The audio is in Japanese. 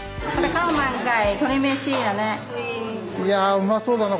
いやうまそうだな